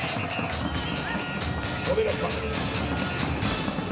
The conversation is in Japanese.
お願いします。